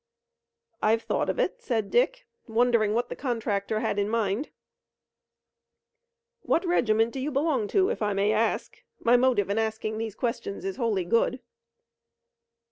"I've thought of it," said Dick, wondering what the contractor had in mind. "What regiment do you belong to, if I may ask? My motive in asking these questions is wholly good."